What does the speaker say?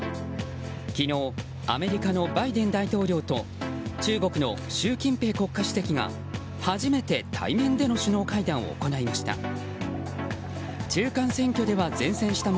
昨日アメリカのバイデン大統領と中国の習近平国家主席が初めて対面での首脳会談を行いました。